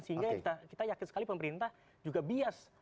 sehingga kita yakin sekali pemerintah juga bias